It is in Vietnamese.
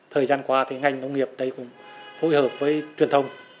thời gian qua thì ngành công nghiệp đây cũng phối hợp với truyền thông